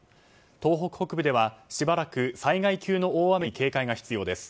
東北北部ではしばらく災害級の大雨に警戒が必要です。